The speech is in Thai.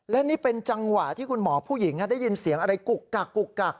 และนี่เป็นจังหวะที่คุณหมอผู้หญิงได้ยินเสียงอะไรกุกกักกุกกัก